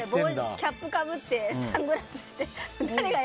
キャップかぶってサングラスして。